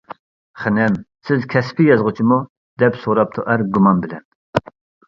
-خېنىم، سىز كەسپى يازغۇچىمۇ؟ دەپ سوراپتۇ ئەر گۇمان بىلەن.